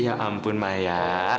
ya ampun maya